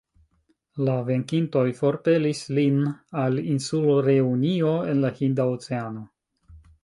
La venkintoj forpelis lin al insulo Reunio, en la Hinda Oceano.